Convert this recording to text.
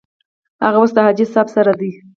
هغه اوس د حاجي صاحب سره دی.